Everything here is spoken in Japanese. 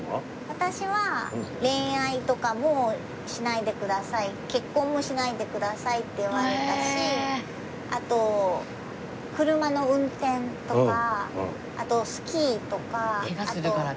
私は恋愛とかもしないでください結婚もしないでくださいって言われたしあと車の運転とかあとスキーとか。ケガするからかな？